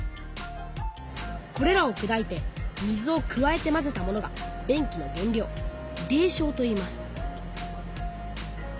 これらをくだいて水を加えてまぜたものが便器の原料泥しょうといいます